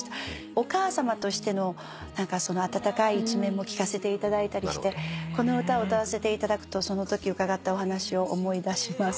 お母さまとしての温かい一面も聞かせていただいたりしてこの歌を歌わせていただくとそのとき伺ったお話を思い出します。